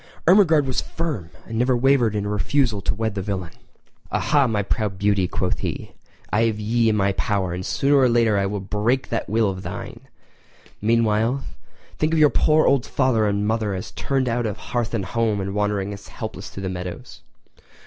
Ermengarde was firm, and never wavered in her refusal to wed the villain. "Aha, my proud beauty," quoth he, "I have ye in me power, and sooner or later I will break that will of thine! Meanwhile think of your poor old father and mother as turned out of hearth and home and wandering helpless through the meadows!"